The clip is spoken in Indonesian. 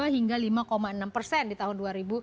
lima dua hingga lima enam persen di tahun dua ribu delapan belas